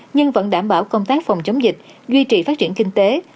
nhưng vẫn đảm bảo công tác phòng chống dịch duy trì phát triển kinh tế